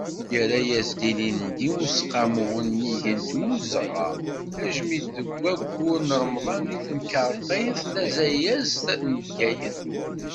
Yerra-as ilindi Useqqamu unnig n timmuzɣa tajmilt deg waggur n Remḍan di temkerḍit tazayezt n Bgayet.